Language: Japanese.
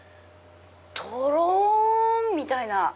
とろん！みたいな。